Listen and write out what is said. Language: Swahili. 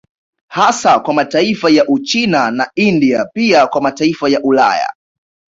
Hasa kwa mataifa ya Uchina na India pia kwa mataifa ya Ulaya